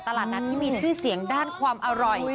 ตลาดนัดที่มีชื่อเสียงด้านความอร่อย